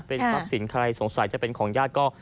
เป็นทรัพย์สินใครสงสัยจะเป็นของญาติก็